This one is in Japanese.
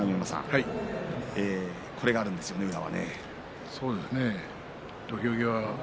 これがあるんですよね宇良は。